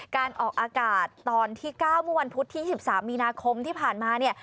การออกอากาศตอนที่๙มุมพุทธที่๑๓มีนาคมที่ผ่านมา